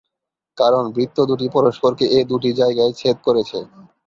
কারণ বৃত্ত দুটি পরস্পরকে এ দুটি জায়গায় ছেদ করেছে।